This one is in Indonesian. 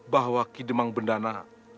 bahwa kidemang bendana